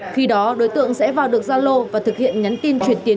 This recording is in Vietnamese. khi đó đối tượng sẽ vào được gia lô và thực hiện nhắn tin chuyển tiền